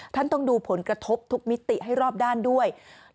ท่านต้องดูผลกระทบทุกมิติให้รอบด้านด้วย